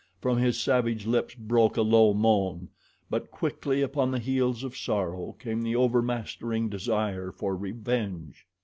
From his savage lips broke a low moan; but quickly upon the heels of sorrow came the overmastering desire for revenge.